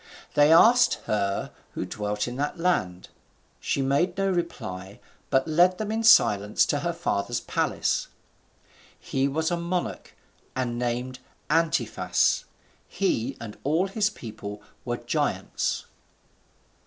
They asked her who dwelt in that land. She made no reply, but led them in silence to her father's palace. He was a monarch, and named Antiphas. He and all his people were giants.